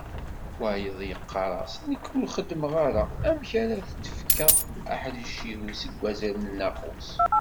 Wayeḍ yeqqar-as, nekk ur xeddmeɣ ara, amek ara d-fkeɣ aḥric-iw seg wazal n nnaqus.